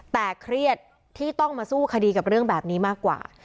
แต่เครียดที่ต้องมาสู้คดีกับเรื่องแบบนี้มากกว่า